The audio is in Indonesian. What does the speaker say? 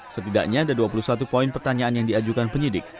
setidaknya ada dua puluh satu poin pertanyaan yang diajukan penyidik